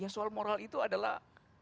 soal moral itu adalah